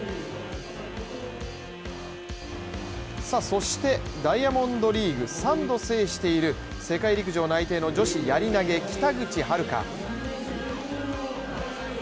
そしてダイヤモンドリーグ３度制している世界陸上内定の女子やり投げ・北口榛花。